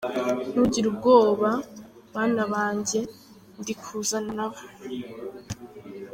ntugire ubwoba k bana banjye ndi kuzana nabo”.